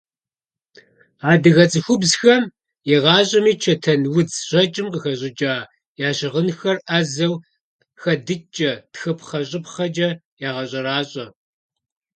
Адыгэ цӀыхубзхэм игъащӀэми чэтэнудз щэкӀым къыхэщӀыкӀа я щыгъынхэр Ӏэзэу хэдыкӀкӀэ, тхыпхъэ-щӀыпхъэкӀэ ягъэщӀэращӀэ.